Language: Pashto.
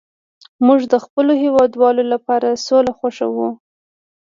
موږ د خپلو هیوادوالو لپاره سوله خوښوو